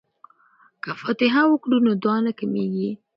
که فاتحه وکړو نو دعا نه کمیږي.